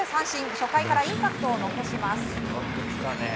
初回からインパクトを残します。